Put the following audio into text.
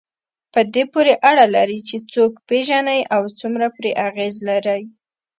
په دې پورې اړه لري چې څوک پېژنئ او څومره پرې اغېز لرئ.